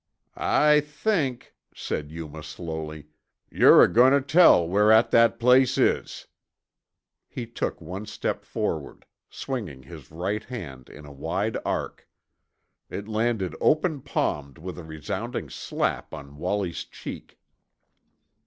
"I think," said Yuma slowly, "yore agoin' tuh tell where at that place is." He took one step forward, swinging his right hand in a wide arc. It landed open palmed with a resounding slap on Wallie's cheek.